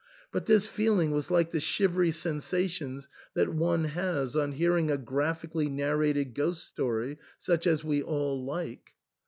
But this feeling was like the shivery sensations that one has on hearing a graphically nar rated ghost story, such as we all like.